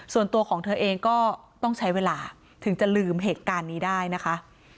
ส่วนตัวของเธอเองก็ต้องใช้เวลาถึงจะลืมเหตุการณ์นี้ได้นะคะ